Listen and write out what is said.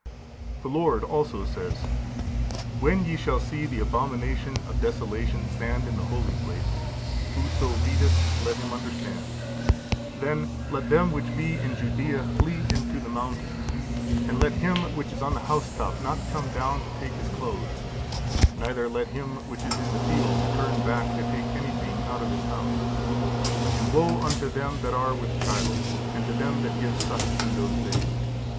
15401540 Mal. iv. 2. 62. The Lord also says, "When ye shall see the abomination of desolation stand in the holy place (whoso readeth, let him understand), then let them which be in Judea flee into the mountains, and let him which is on the housetop not come down to take his clothes; neither let him which is in the field return back to take anything out of his house. And woe unto them that are with child, and to them that give suck, in those days!